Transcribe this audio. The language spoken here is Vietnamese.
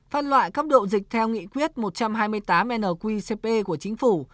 phân loại cấp độ dịch theo nghị quyết một trăm hai mươi tám nqcp của chính phủ